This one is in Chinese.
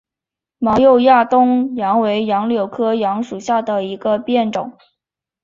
毛轴亚东杨为杨柳科杨属下的一个变种。